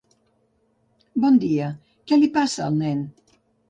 Bon dia, què li passa al nen?